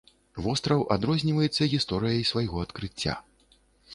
Востраў адрозніваецца гісторыяй свайго адкрыцця.